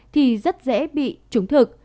thì rất dễ bị trúng thực